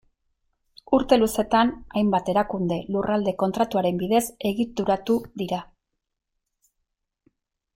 Urte luzetan, hainbat erakunde Lurralde Kontratuaren bidez egituratu dira.